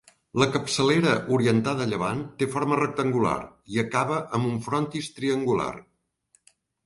La capçalera orientada a llevant té forma rectangular i acaba en un frontis triangular.